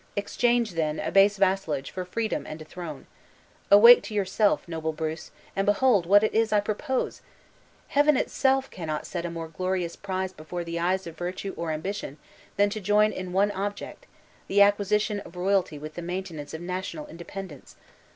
Exchange, then a base vassalage, for freedom and a throne! Awake to yourself, noble Bruce, and behold what it is I propose! Heaven itself cannot set a more glorious prize before the eyes of virtue or ambition, than to join in one object, the acquisition of royalty with the maintenance of national independence!